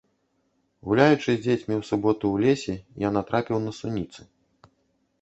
Гуляючы з дзецьмі ў суботу ў лесе, я натрапіў на суніцы.